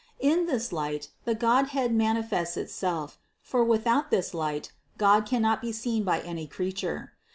In this light the Godhead manifests Itself, for without this light God cannot be seen by any creature.